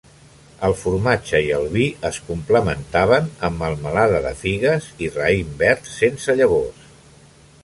El formatge i el vi es complementaven amb melmelada de figues i raïm verd sense llavors.